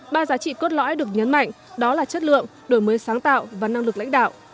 ba giá trị cốt lõi được nhấn mạnh đó là chất lượng đổi mới sáng tạo và năng lực lãnh đạo